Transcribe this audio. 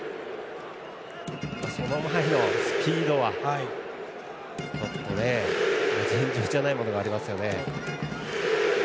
その前のスピードは尋常じゃないものがありますよね。